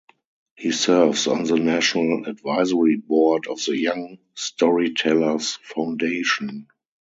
He serves on the National Advisory Board of the Young Storytellers Foundation.